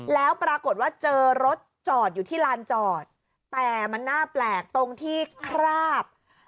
แล้วปรากฏว่าเจอรถจอดอยู่ที่ลานจอดแต่มันน่าแปลกตรงที่คราบ